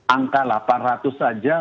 angka delapan ratus saja